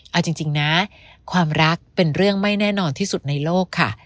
เอาจริงนะความรักเป็นเรื่องไม่แน่นอนที่สุดในโลกค่ะ